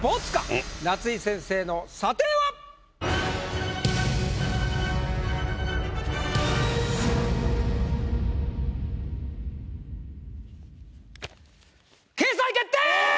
夏井先生の査定は⁉掲載決定！